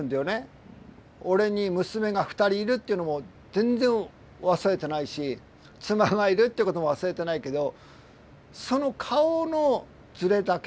俺に娘が２人いるっていうのも全然忘れてないし妻がいるってことも忘れてないけどその顔のズレだけなんだよね。